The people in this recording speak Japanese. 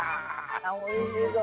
おいしそう。